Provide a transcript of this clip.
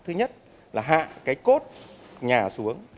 thứ nhất là hạ cái cốt nhà xuống